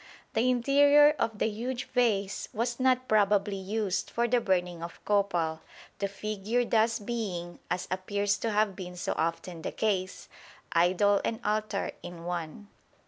The interior of the huge vase was not probably used for the burning of copal, the figure thus being, as appears to have been so often the case, idol and altar in one.